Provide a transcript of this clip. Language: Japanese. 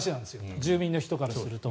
住民の人からすると。